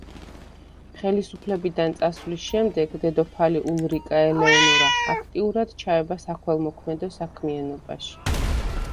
ხელისუფლებიდან წასვლის შემდეგ დედოფალი ულრიკა ელეონორა აქტიურად ჩაება საქველმოქმედო საქმიანობაში.